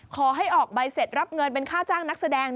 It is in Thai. ขอให้ออกใบเสร็จรับเงินเป็นค่าจ้างนักแสดง